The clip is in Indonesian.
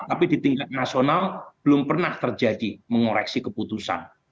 tapi di tingkat nasional belum pernah terjadi mengoreksi keputusan